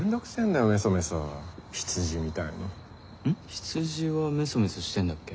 羊はメソメソしてんだっけ？